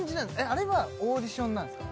あれはオーディションなんですか？